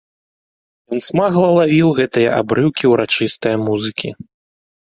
Ён смагла лавіў гэтыя абрыўкі ўрачыстае музыкі.